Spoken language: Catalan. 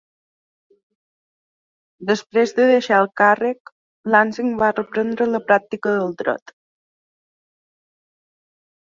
Després de deixar el càrrec, Lansing va reprendre la pràctica del Dret.